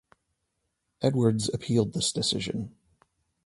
Edwards appealed this decision.